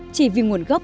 chỉ vì nguồn gốc